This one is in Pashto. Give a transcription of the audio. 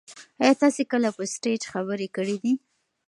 ایا تاسي کله په سټیج خبرې کړي دي؟